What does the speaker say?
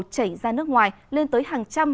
chảy ra nước ngoài lên tới hàng trăm